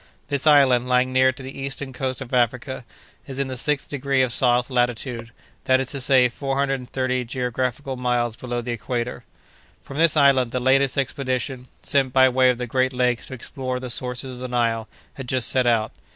This island, lying near to the eastern coast of Africa, is in the sixth degree of south latitude, that is to say, four hundred and thirty geographical miles below the equator. From this island the latest expedition, sent by way of the great lakes to explore the sources of the Nile, had just set out.